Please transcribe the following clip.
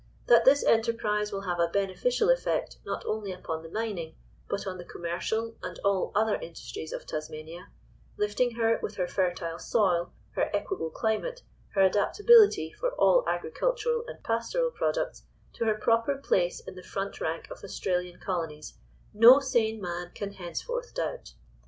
That this enterprise will have a beneficial effect not only upon the mining, but on the commercial, and all other industries of Tasmania, lifting her, with her fertile soil, her equable climate, her adaptability for all agricultural and pastoral products to her proper place in the front rank of Australian colonies no sane man can henceforth doubt.